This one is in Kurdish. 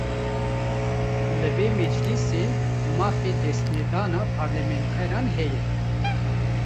Li vê meclîsê, mafê destnedana parlementeran heye